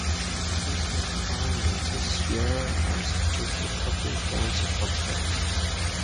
"Christmas Time" and "This Year" are the two "hip hop influenced" pop tracks.